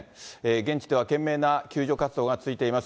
現地では懸命な救助活動が続いています。